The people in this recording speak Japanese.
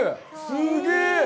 すげえ。